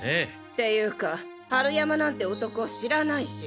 ていうか春山なんて男知らないし。